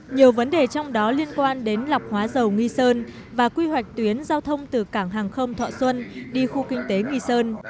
nhiều vấn đề trong đó liên quan đến lọc hóa dầu nghi sơn và quy hoạch tuyến giao thông từ cảng hàng không thọ xuân đi khu kinh tế nghi sơn